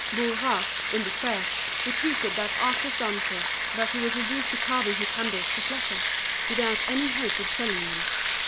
Bourras, in despair, repeated that art was done for, that he was reduced to carving his handles for pleasure, without any hope of selling them.